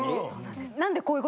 そうなんです。